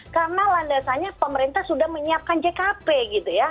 karena landasannya pemerintah sudah menyiapkan jkp gitu ya